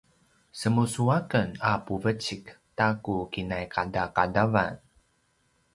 semusu aken a puvecik ta ku kinai qadaqadavan